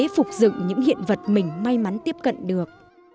phục dựng những hiện vật mình may mắn tiếp cận được